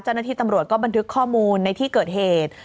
เจ้าหน้าที่ตำรวจก็บันทึกข้อมูลในที่เกิดเหตุ